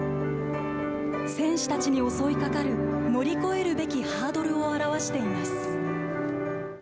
選手たちに襲いかかる、乗り越えるべきハードルを表しています。